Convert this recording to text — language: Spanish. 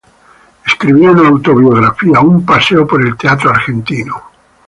Escribió una autobiografía "Un paseo por el teatro argentino".